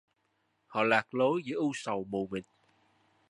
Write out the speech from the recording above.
Họ lạc lối giữa u sầu mù mịt